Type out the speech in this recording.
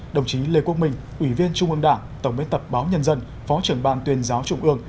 đồng chí lê quốc minh ủy viên trung ương đảng tổng biên tập báo nhân dân phó trưởng ban tuyên giáo trung ương